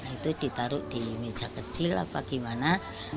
itu ditaruh di meja kecil apa gimana